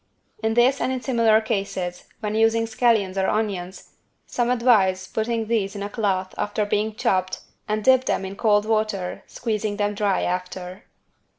In this and in similar cases, when using scallions or onions, some advise putting these in a cloth after being chopped and dip them in cold water squeezing them dry after.